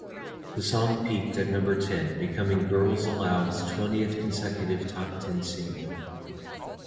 The song peaked at number ten, becoming Girls Aloud's twentieth consecutive top ten single.